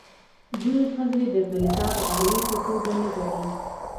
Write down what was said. دوی ښځې د بالذات غایې په توګه نه ګڼي.